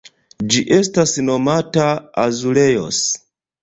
Ĝi estas nomata azulejos.